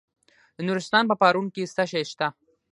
د نورستان په پارون کې څه شی شته؟